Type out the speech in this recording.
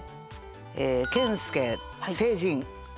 健介「成人」。